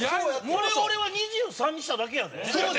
それを俺は２３にしただけやで？